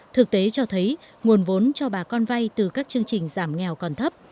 thực tế cho thấy nguồn vốn cho bà con vay từ các chương trình giảm nghèo còn thấp